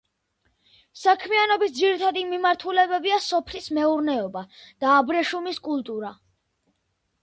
საქმიანობის ძირითადი მიმართულებებია სოფლის მეურნეობა და აბრეშუმის კულტურა.